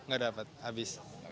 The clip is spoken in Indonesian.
gak dapet habis